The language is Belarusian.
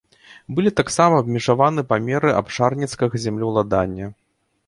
Былі таксама абмежаваны памеры абшарніцкага землеўладання.